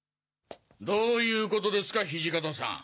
どういうことですか土方さん。